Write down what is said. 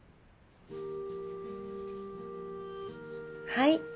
はい。